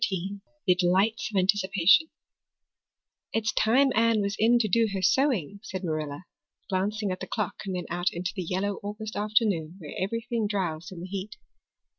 The Delights of Anticipation IT'S time Anne was in to do her sewing," said Marilla, glancing at the clock and then out into the yellow August afternoon where everything drowsed in the heat.